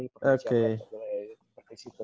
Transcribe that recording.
ini perlu dilakukan perkejangan dan sebagainya